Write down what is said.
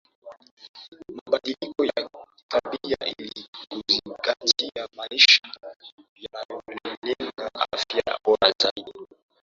mabadiliko ya tabia ili kuzingatia maisha yanayolenga afya bora zaidi